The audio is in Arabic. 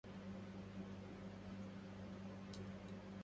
زارني من خلعت فيه عذاري